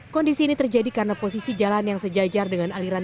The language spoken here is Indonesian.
kondisi ini terjadi karena posisi jalan yang selalu terkena hujan